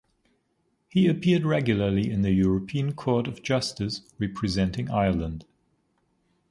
He appeared regularly in the European Court of Justice representing Ireland.